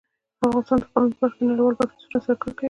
افغانستان د قومونه په برخه کې نړیوالو بنسټونو سره کار کوي.